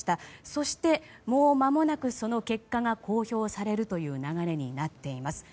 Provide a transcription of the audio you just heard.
そして、もうまもなくその結果が公表されるという流れになっています。